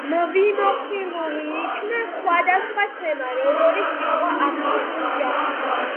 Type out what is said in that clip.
მვიმოხილული იქნა სხვადასხვა თემა, როგორიც იყო იმჟამად